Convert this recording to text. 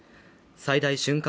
最大瞬間